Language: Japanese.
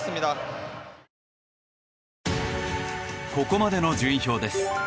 ここまでの順位表です。